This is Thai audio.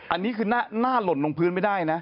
อันนี้คือหน้าหล่นลงพื้นไม่ได้นะ